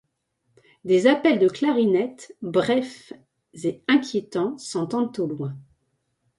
Des appels de clarinettes, brefs et inquiétants s'entendent au loin.